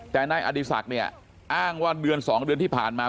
แต่นายอดีศักดิ์เนี่ยอ้างว่าเดือน๒เดือนที่ผ่านมา